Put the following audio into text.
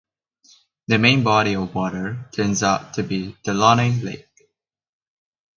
The main body of water turns out to be Delaunay Lake.